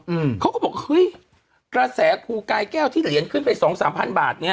อืมเขาก็บอกเฮ้ยกระแสครูกายแก้วที่เหรียญขึ้นไปสองสามพันบาทเนี้ย